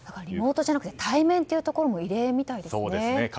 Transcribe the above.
リモートじゃなくて対面というところも異例みたいですね。